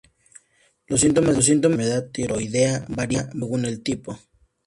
Los síntomas de la enfermedad tiroidea varían según el tipo.